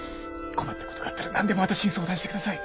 困った事があったら何でも私に相談して下さい。